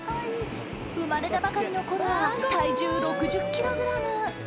生まれたばかりのころは体重６０ｋｇ。